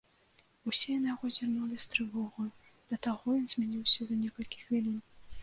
Усе на яго зірнулі з трывогаю, да таго ён змяніўся за некалькі хвілін.